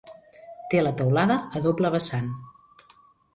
Té la teulada a doble vessant.